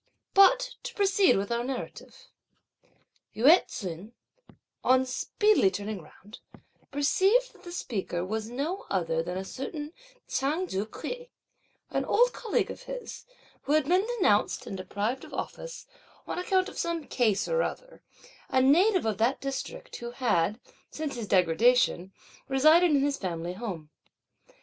But to proceed with our narrative. Yü ts'un, on speedily turning round, perceived that the speaker was no other than a certain Chang Ju kuei, an old colleague of his, who had been denounced and deprived of office, on account of some case or other; a native of that district, who had, since his degradation, resided in his family home.